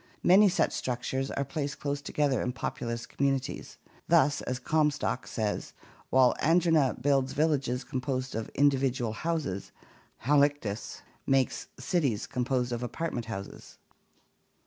Many such structures are placed close together in popu lous communities. Thus, as Comstock says, "while Andrena builds villages composed of individual houses, Halictus makes cities composed of apartment houses."